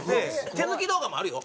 手抜き動画もあるよ。